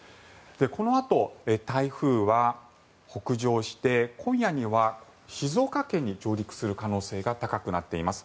このあと台風は北上して今夜には静岡県に上陸する可能性が高くなっています。